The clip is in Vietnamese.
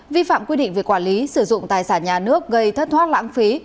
vi phạm quy định về quản lý sử dụng tài sản nhà nước gây thất thoát lãng phí